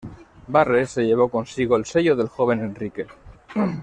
Barre se llevó consigo el sello del joven Enrique.